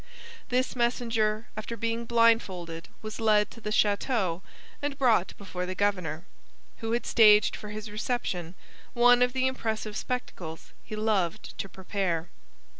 This messenger after being blindfolded was led to the Chateau and brought before the governor, who had staged for his reception one of the impressive spectacles he loved to prepare.